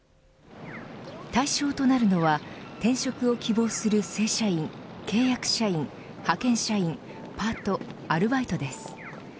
対象となるのは転職を希望する正社員契約社員、派遣社員パート、アルバイトです。